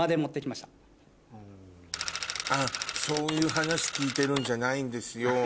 あっそういう話聞いてるんじゃないんですよ。